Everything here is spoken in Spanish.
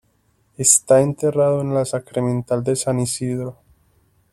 Está enterrado en la Sacramental de San Isidro.